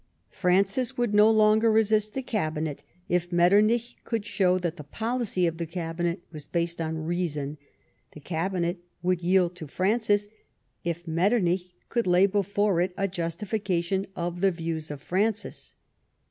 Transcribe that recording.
Francis would no longer resist the Cabinet if Metternich could show that the policy of the Cabinet was based on reason ; the Cabinet would yield to Francis if Metternich could lay before it a justification of the views of Francis.